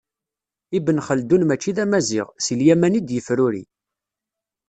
Ibn Xeldun mačči d amaziɣ, si Lyaman i d-yefruri.